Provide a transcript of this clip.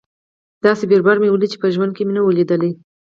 داسې بيروبار مې وليد چې په ژوند کښې مې نه و ليدلى.